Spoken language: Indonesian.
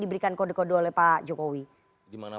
diberikan kode kode oleh pak jokowi gimana